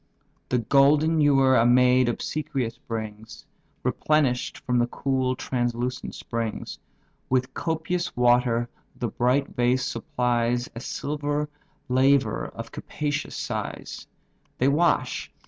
The golden ewer a maid obsequious brings, Replenish'd from the cool, translucent springs; With copious water the bright vase supplies A silver laver of capacious size; They wash.